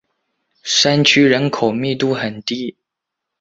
山区人口密度很低。